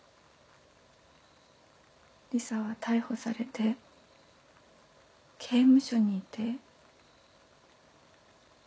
リサは逮捕されて刑務所にいて。